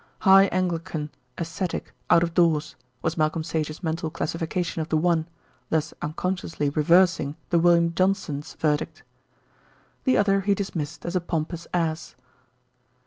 "High Anglican, ascetic, out of doors," was Malcolm Sage's mental classification of the one, thus unconsciously reversing the William Johnson's verdict. The other he dismissed as a pompous ass.